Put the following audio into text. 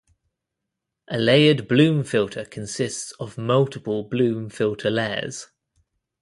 A layered Bloom filter consists of multiple Bloom filter layers.